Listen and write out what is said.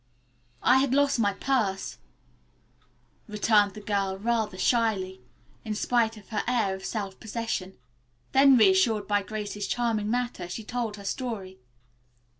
"I had lost my purse," returned the girl, rather shyly, in spite of her air of self possession. Then reassured by Grace's charming manner, she told her story.